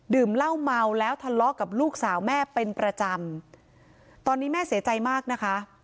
เหล้าเมาแล้วทะเลาะกับลูกสาวแม่เป็นประจำตอนนี้แม่เสียใจมากนะคะ